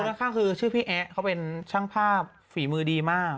ข้างคือชื่อพี่แอ๊ะเขาเป็นช่างภาพฝีมือดีมาก